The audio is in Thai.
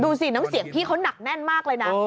ดูสิน้ำเสียงพี่เขาหนักแน่นมากเลยนะ